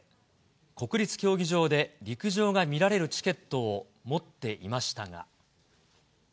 国立競技場で陸上が見られるチケットを持っていましたが。